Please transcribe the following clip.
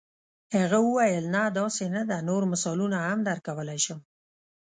هغه وویل نه داسې نه ده نور مثالونه هم درکولای شم.